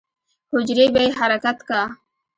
حجرې به يې حرکت کا.